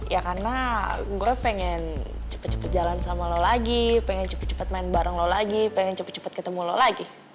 ya karena gue pengen cepet cepet jalan sama lo lagi pengen cepet cepet main bareng lo lagi pengen cepet cepet ketemu lo lagi